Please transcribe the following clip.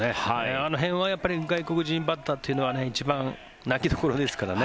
あの辺はやはり外国人バッターというのは一番、泣きどころですからね。